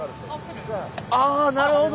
あなるほど。